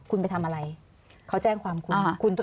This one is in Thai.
คุณไปทำอะไรเขาแจ้งความคุณ